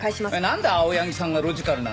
なんで青柳さんがロジカルなんだよ。